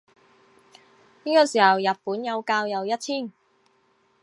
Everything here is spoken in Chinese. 这时日本有教友一千。